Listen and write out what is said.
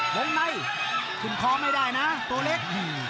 ลงในคุณคอไม่ได้นะตัวเล็ก